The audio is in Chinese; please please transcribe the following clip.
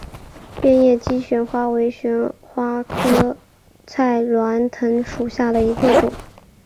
变叶姬旋花为旋花科菜栾藤属下的一个种。